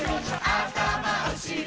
あたまおしり